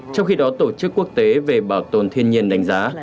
trong khi đó tổ chức quốc tế về bảo tồn thiên nhiên đánh giá